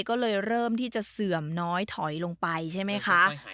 ก็เลยเริ่มที่จะเสื่อมน้อยถอยลงไปใช่ไหมคะ